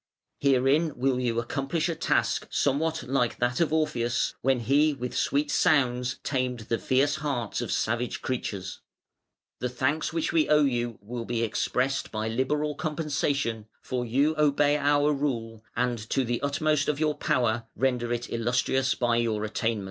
Herein will you accomplish a task somewhat like that of Orpheus, when he with sweet sounds tamed the fierce hearts of savage creatures. The thanks which we owe you will be expressed by liberal compensation, for you obey our rule, and to the utmost of your power render it illustrious by your attainments".